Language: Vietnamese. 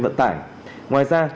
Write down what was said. vận tải ngoài ra